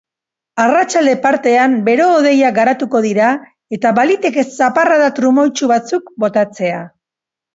Arratsalde partean bero-hodeiak garatuko dira eta baliteke zaparrada trumoitsu batzuk botatzea.